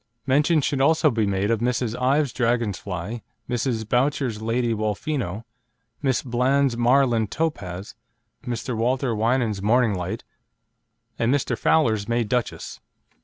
Mention should also be made of Miss Ives' Dragon Fly, Mrs. Boutcher's Lady Wolfino, Miss Bland's Marland Topaz, Mr. Walter Winans' Morning Light, and Mr. Fowler's May Duchess.